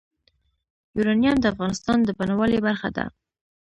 یورانیم د افغانستان د بڼوالۍ برخه ده.